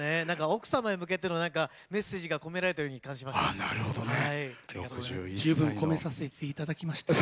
奥様に向けてのメッセージが込められているように感じました。